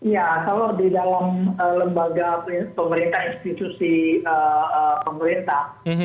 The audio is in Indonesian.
ya kalau di dalam lembaga pemerintah institusi pemerintah